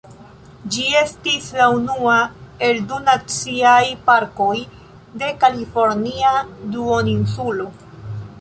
Ĝi estis la unua el du naciaj parkoj de Kalifornia Duoninsulo.